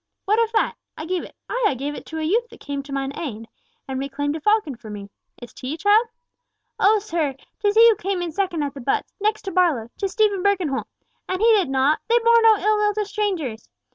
What of that? I gave it—ay, I gave it to a youth that came to mine aid, and reclaimed a falcon for me! Is't he, child?" "Oh, sir, 'tis he who came in second at the butts, next to Barlow, 'tis Stephen Birkenholt! And he did nought! They bore no ill will to strangers!